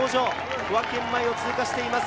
小涌園前を通過していきます。